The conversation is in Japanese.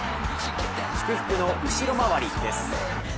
祝福の後ろ回りです。